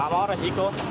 gak mau resiko